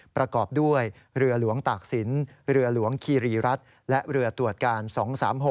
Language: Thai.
ประกอบด้วยเรือหลวงตากศิลป์เรือหลวงคีรีรัฐและเรือตรวจการ๒๓๖